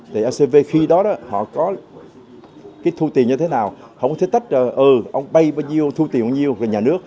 thì acv khi đó họ có cái thu tiền như thế nào họ có thể tách là ừ ông bay bao nhiêu thu tiền bao nhiêu là nhà nước